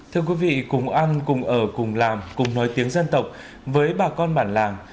thưa quý vị cùng ăn cùng ở cùng làm cùng nói tiếng dân tộc với bà con bản làng